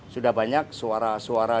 sudah banyak suara suara